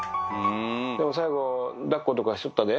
でも最後、だっことかしとったで。